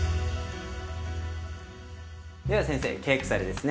では先生ケークサレですね。